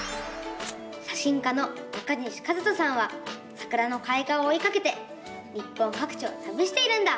写真家の中西一登さんはさくらのかい花をおいかけて日本かく地をたびしているんだ！